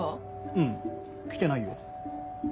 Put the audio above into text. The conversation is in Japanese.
うん来てないよ。